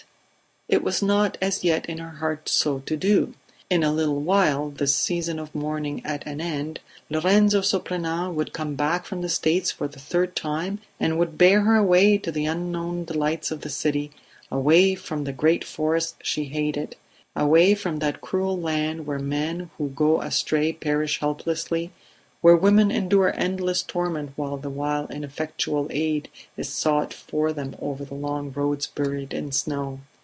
it was not as yet in her heart so to do ... In a little while, this season of mourning at an end, Lorenzo Surprenant would come back from the States for the third time and would bear her away to the unknown delights of the city away from the great forest she hated away from that cruel land where men who go astray perish helplessly, where women endure endless torment the while ineffectual aid is sought for them over the long roads buried in snow.